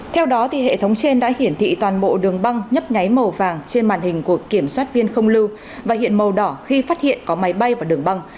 theo đó hệ thống trên đã hiển thị toàn bộ đường băng nhấp nháy màu vàng trên màn hình của kiểm soát viên không lưu và hiện màu đỏ khi phát hiện có máy bay vào đường băng